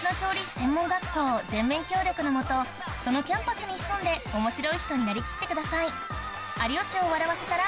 専門学校全面協力の下そのキャンパスに潜んで面白い人になりきってください